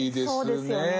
そうですよね。